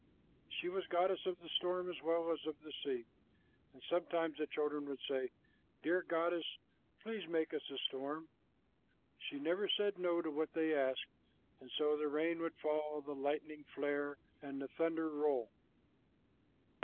She was goddess of the storm as well as of the sea, and sometimes the children would say, 'Dear goddess, please make us a storm.' She never said no to what they asked, and so the rain would fall, the lightning flare, and the thunder roll.